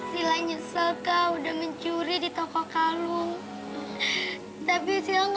begininya di tengah jalan